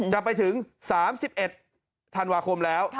จะไปถึง๓๑ธันวาคมแล้ว